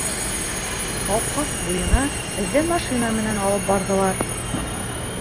Талҡаҫ буйына беҙҙе машина менән алып барҙылар.